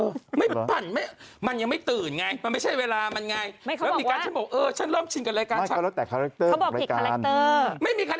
รายการเช้าวันนี้ฉันมาเผยอก็ทำ